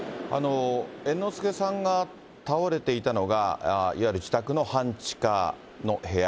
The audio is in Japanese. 猿之助さんが倒れていたのが、いわゆる自宅の半地下の部屋。